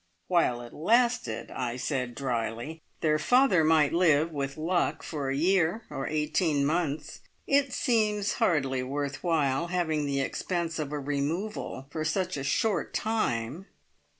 "While it lasted," I said drily. "Their father might live with luck for a year or eighteen months. It seems hardly worth while having the expense of a removal for such a short time."